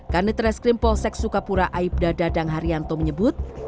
kanit reskrim polsek sukapura aibda dadang haryanto menyebut